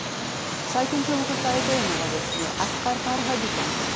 最近注目されているのはですねアスガー・ファルハディ監督。